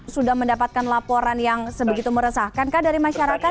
sudah mendapatkan laporan yang sebegitu meresahkan kah dari masyarakat